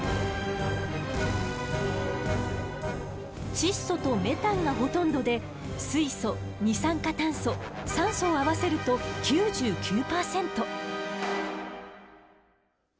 窒素とメタンがほとんどで水素二酸化炭素酸素を合わせると９９％。